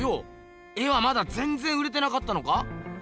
絵はまだぜんぜん売れてなかったのか？